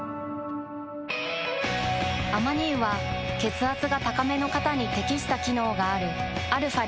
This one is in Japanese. アマニ油は血圧が高めの方に適した機能があるαー